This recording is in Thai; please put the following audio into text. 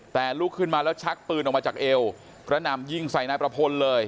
แต่ลุกขึ้นมาแล้วชักปืนออกมาจากเอวกระหน่ำยิงใส่นายประพลเลย